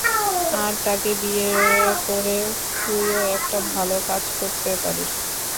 আর তাকে বিয়ে করে তুইও একটা ভালো কাজ করতে পারিস।